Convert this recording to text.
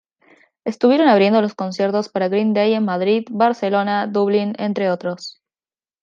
Estuvieron abriendo los conciertos para Green Day en Madrid, Barcelona, Dublin, entre otros..